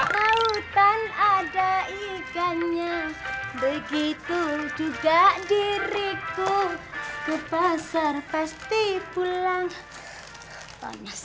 lautan ada ikannya begitu juga diriku ke pasar pasti pulang nangis